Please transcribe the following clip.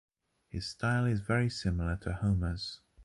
His style is very similar to Homer’s.